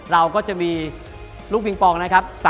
เราก็จะมีลูกปิงปองนะครับ